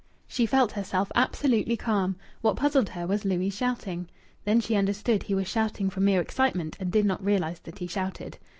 She felt herself absolutely calm. What puzzled her was Louis' shouting. Then she understood he was shouting from mere excitement and did not realize that he shouted.